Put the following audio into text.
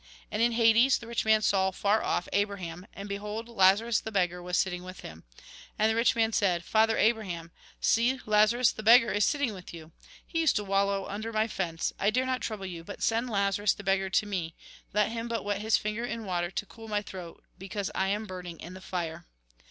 And in Hades, the rich man saw, far off, Abraham ; and behold, Lazarus, the beggar, was sitting with him. And the rich man said :' Father Abraham, see, Lazarus the beggar is sitting with you. He used to wallow under my fence, I dare not trouble you, but send Lazarus the beggar to me ; let him but wet his finger in water, to cool my throat, because I am burning in the fire.'